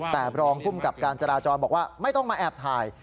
แต่รองภูมิกับการจราจรบอกว่าไม่ต้องมาแอบถ่าย